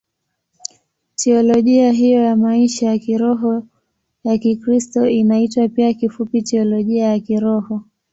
Teolojia hiyo ya maisha ya kiroho ya Kikristo inaitwa pia kifupi Teolojia ya Kiroho.